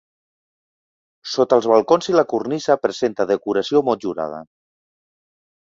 Sota els balcons i la cornisa presenta decoració motllurada.